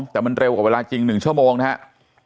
แต่มันเร็วกว่าเวลาจริง๑ชั่วโมงนะครับ